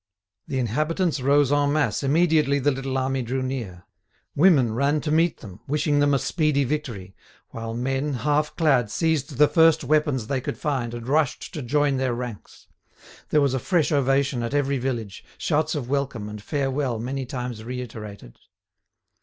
The inhabitants rose en masse immediately the little army drew near; women ran to meet them, wishing them a speedy victory, while men, half clad, seized the first weapons they could find and rushed to join their ranks. There was a fresh ovation at every village, shouts of welcome and farewell many times reiterated.